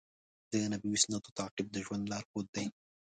د نبوي سنتونو تعقیب د ژوند لارښود دی.